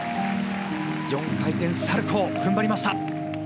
４回転サルコウ踏ん張りました。